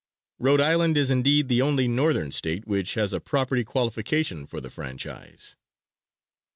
Rhode Island is indeed the only Northern State which has a property qualification for the franchise!